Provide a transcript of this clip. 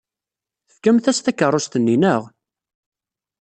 Tefkamt-as takeṛṛust-nni, naɣ?